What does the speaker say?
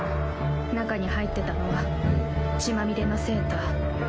中に入ってたのは血まみれのセーター。